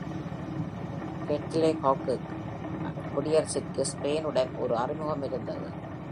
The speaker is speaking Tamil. Hedgehog குடியரசிற்கு ஸ்பெயினுடன் ஒரு அறிமுகம் இருந்தது.